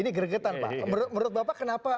ini geregetan pak menurut bapak